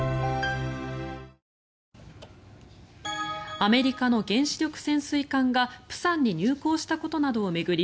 アメリカの原子力潜水艦が釜山に入港したことなどを巡り